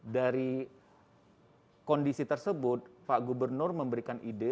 dari kondisi tersebut pak gubernur memberikan ide